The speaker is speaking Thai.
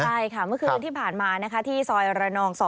ใช่ค่ะเมื่อคืนที่ผ่านมานะคะที่ซอยระนอง๒